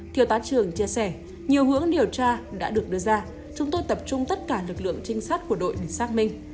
thiếu tá trường chia sẻ nhiều hướng điều tra đã được đưa ra chúng tôi tập trung tất cả lực lượng trinh sát của đội để xác minh